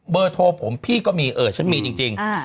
โทรผมพี่ก็มีเออฉันมีจริง